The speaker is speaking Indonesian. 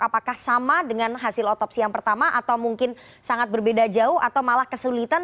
apakah sama dengan hasil otopsi yang pertama atau mungkin sangat berbeda jauh atau malah kesulitan